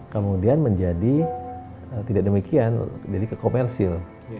kemudian menjadi tidak demikian jadi kekomersil